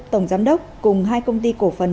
tổng giám đốc cùng hai công ty cổ phần